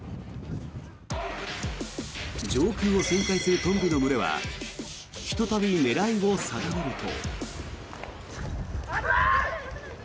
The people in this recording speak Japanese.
上空を旋回するトンビの群れはひとたび狙いを定めると。